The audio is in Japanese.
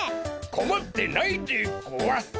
こまってないでゴワス。